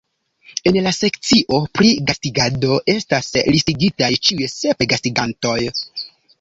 En la sekcio pri gastigado estas listigitaj ĉiuj sep gastigantoj.